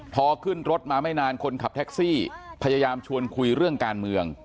พอขึ้นรถมาไม่นานคนขับแท็กซี่พยายามชวนคุยเรื่องการเมือง